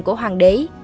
của hoàng đế